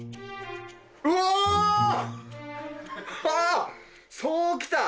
あっそう来た。